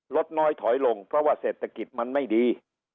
ลดน้อยถอยลงเพราะว่าเศรษฐกิจมันไม่ดี